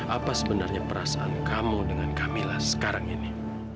apa sebenarnya perasaan kamu dengan kamilah sekarang ini